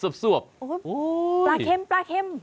ปลาเข็ม